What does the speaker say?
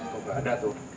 kok gak ada tuh